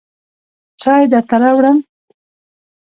چای درته راوړم.